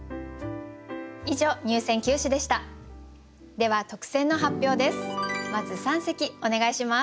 では特選の発表です。